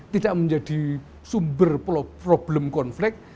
tidak menjadi sumber problem konflik